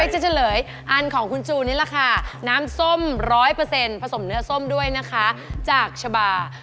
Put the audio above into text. มั่นของคุณจูหน้าร้ำส้มร้อยเปอร์เซ็นท์ผสมเนื้อส้มด้วยนะคะจากชาบา